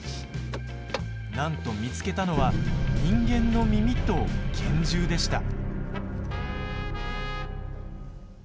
なんと見つけたのは人間の耳と拳銃でした。